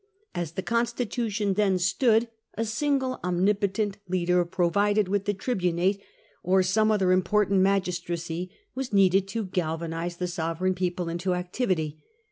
As the constitution then stood, a single omnipotent leader, provided with the tribunate or some other important magistracy, was needed to galvanise the sovereign people into activity.